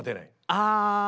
ああ！